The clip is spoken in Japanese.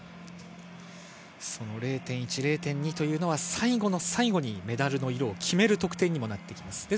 その０．１、０．２というのが最後の最後にメダルの色を決める得点になってきます。